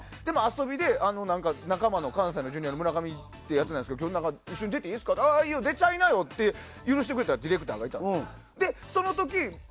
遊びで関西のジュニアの村上ってやつも今日一緒に出ていいですかって聞いたらいいよ、出ちゃいなよって許してくれたディレクターがいたんです。